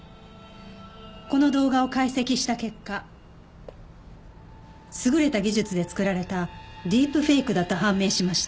この動画を解析した結果優れた技術で作られたディープフェイクだと判明しました。